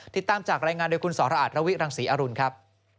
ติดตามจากรายงานโดยคุณสรอาทรวิรังศรีอรุณครับ